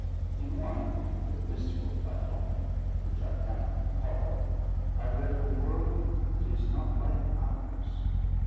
In one, with a mystical title, which I cannot recall, I read of a world that is not like ours.